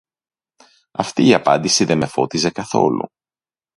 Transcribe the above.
Αυτή η απάντηση δε με φώτιζε καθόλου